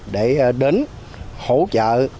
để đến hỗ trợ sạt lở